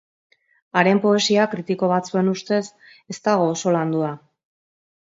Haren poesia, kritiko batzuen ustez, ez dago oso landua.